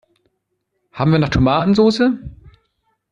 Haben wir noch Tomatensoße?